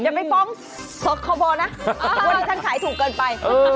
อย่าไปฟ้องสคบนะวันนี้ฉันขายถูกเกินไป